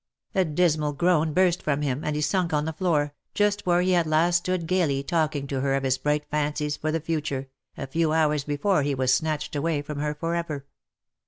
A dismal groan burst from him, and he sunk on the floor, just where he had last stood gaily talking to her of his bright fancies for the fu ture, a few hours before he was snatched away from her for ever.